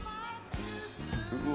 うわ！